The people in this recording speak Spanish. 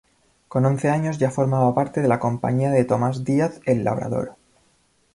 Con once años ya formaba parte de la compañía de Tomás Díaz, "el Labrador".